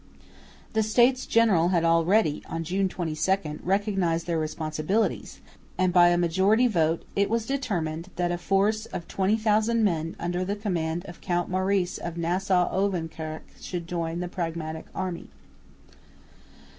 The States General had already, on June 22, recognised their responsibilities; and by a majority vote it was determined that a force of 20,000 men under the command of Count Maurice of Nassau Ouwerkerk should join the Pragmatic Army.